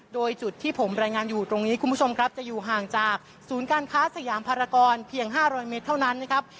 โดยจุดที่ผมรายงานอยู่ตรงนี้คุณผู้ชมครับจะอยู่ห่างจากศูนย์การค้าสยามภารกรเพียง๕๐๐เมตรเท่านั้นนะครับ